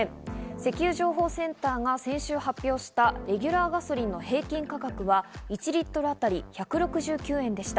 石油情報センターが先週発表したレギュラーガソリンの平均価格は１リットルあたり１６９円でした。